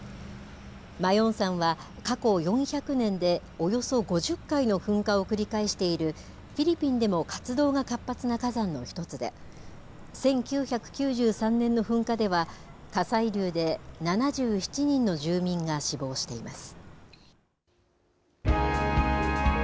マヨン山は過去４００年で、およそ５０回の噴火を繰り返している、フィリピンでも活動が活発な火山の１つで、１９９３年の噴火では、火砕流で７７人の住民が死亡しています。